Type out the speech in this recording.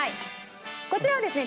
こちらはですね